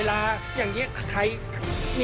ภาษาอังกฤษ